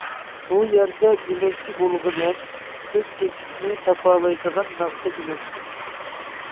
بۇ يەردە دېمەكچى بولغىنىم سىز تېكىستىنى تاپالايدىغان ناخشا دېمەكچى.